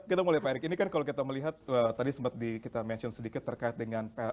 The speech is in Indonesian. kita mulai pak erick ini kan kalau kita melihat tadi sempat kita mention sedikit terkait dengan